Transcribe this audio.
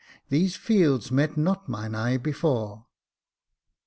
These fields met not mine eye before.